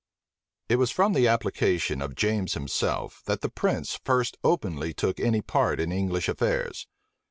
It was from the application of James himself that the prince first openly took any part in English affairs.